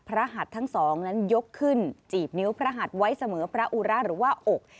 หัดทั้งสองนั้นยกขึ้นจีบนิ้วพระหัดไว้เสมอพระอุระหรือว่าอก